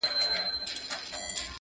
له فکرونو اندېښنو په زړه غمجن سو!